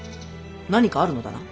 何かあるのだな。